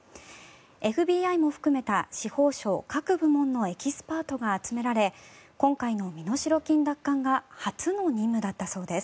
ＦＢＩも含めた司法省各部門のエキスパートが集められ今回の身代金奪還が初の任務だったそうです。